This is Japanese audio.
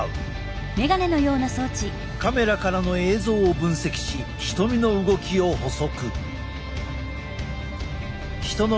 カメラからの映像を分析し瞳の動きを捕捉。